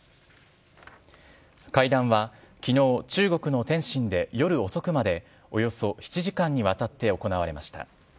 会談は昨日中国の天津で夜遅くまでおよそ７時間にわたって行われました。